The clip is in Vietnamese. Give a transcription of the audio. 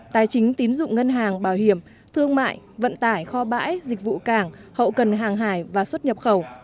tài chính tín dụng ngân hàng bảo hiểm thương mại vận tải kho bãi dịch vụ cảng hậu cần hàng hải và xuất nhập khẩu